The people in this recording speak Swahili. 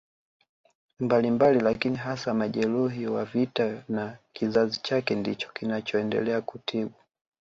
mbalimbali lakini hasa majeruhi wa vita na kizazi chake ndicho kinachoendelea kutibu